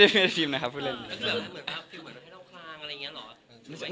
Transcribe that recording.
คือเหมือนมันให้เราคลามอะไรอย่างนี้หรอ